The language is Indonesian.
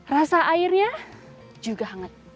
rasa airnya juga hangat